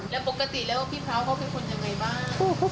แล้วปกติแล้วพี่พร้าวเขาเป็นคนยังไงบ้าง